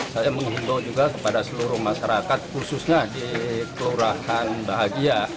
saya menghimbau juga kepada seluruh masyarakat khususnya di kelurahan bahagia